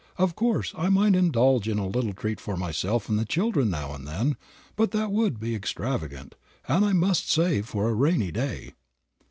Of course I might indulge in a little treat for myself and the children now and then, but that would be extravagant, and I must save for a rainy day."